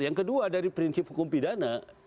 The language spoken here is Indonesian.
yang kedua dari prinsip hukum pidana